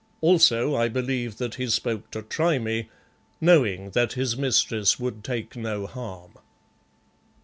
Also I believe that he spoke to try me, knowing that his mistress would take no harm.